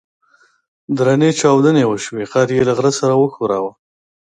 درنې چاودنې وسوې غر يې له غره سره وښوراوه.